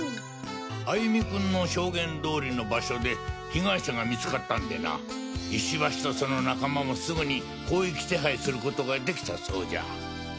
歩美君の証言通りの場所で被害者が見つかったんでな石橋とその仲間もすぐに広域手配することができたそうじゃ。